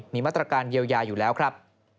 มีมาตรการเยียวยาอยู่แล้วครับ